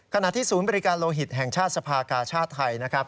ขณะที่ศูนย์บริการโลหิตแห่งชาติสภากาชาติไทยนะครับ